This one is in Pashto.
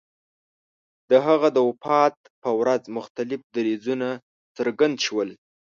د هغه د وفات په ورځ مختلف دریځونه څرګند شول.